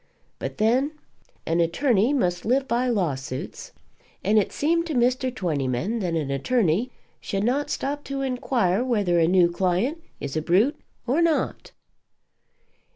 But, then, an attorney must live by lawsuits, and it seemed to Mr. Twentyman that an attorney should not stop to inquire whether a new client is a brute or not.